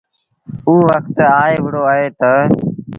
اوٚ وکت آئي وهُڙو اهي تا